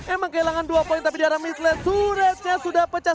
emang kehilangan dua poin tapi di arah mislet suratnya sudah pecah